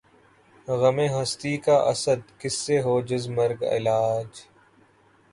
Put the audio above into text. غم ہستی کا اسدؔ کس سے ہو جز مرگ علاج